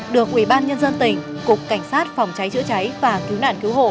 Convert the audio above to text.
được ủy ban nhân dân tỉnh cục cảnh sát phòng cháy chữa cháy và cứu nạn cứu hộ